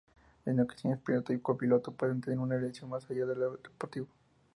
En ocasiones piloto y copiloto pueden tener una relación más allá de lo deportivo.